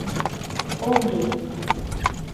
— Ом лий!